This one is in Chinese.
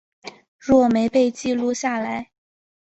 若没被记录下来